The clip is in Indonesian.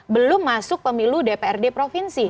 belum masuk pemilu dprd provinsi